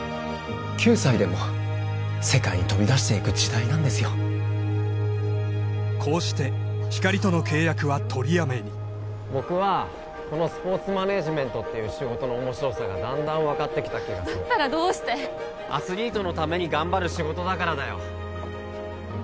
９歳でも世界に飛び出していく時代なんですよこうしてひかりとの契約は取りやめに僕はこのスポーツマネージメントっていう仕事の面白さがだんだん分かってきた気がするだったらどうしてアスリートのために頑張る仕事だからだよ